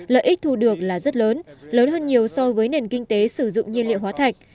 lợi ích thu được là rất lớn lớn hơn nhiều so với nền kinh tế sử dụng nhiên liệu hóa thạch